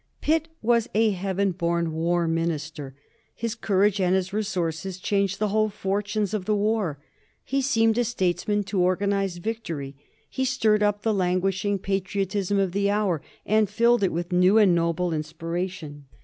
Pitt was a heaven born war minister. His courage and his resource)^ changed the whole fortunes of the war. He seemed a statesman to organize victory. He stirred up the languishing patriotism of the hour, and filled it with new and noble inspiration.